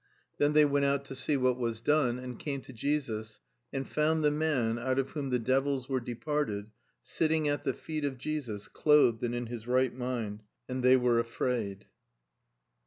"Then they went out to see what was done; and came to Jesus and found the man, out of whom the devils were departed, sitting at the feet of Jesus, clothed and in his right mind; and they were afraid."